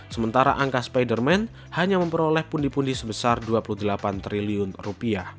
sementara angka spider man hanya memperoleh pundi pundi sebesar dua puluh delapan triliun rupiah